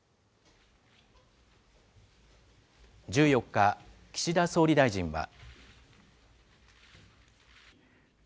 １４日、岸田総理大臣は。